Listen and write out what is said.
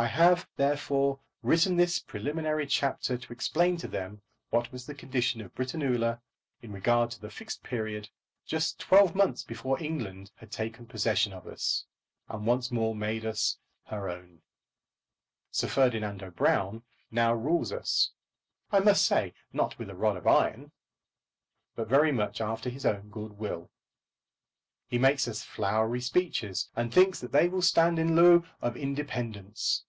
I have therefore written this preliminary chapter to explain to them what was the condition of Britannula in regard to the Fixed Period just twelve months before England had taken possession of us, and once more made us her own. Sir Ferdinando Brown now rules us, I must say, not with a rod of iron, but very much after his own good will. He makes us flowery speeches, and thinks that they will stand in lieu of independence.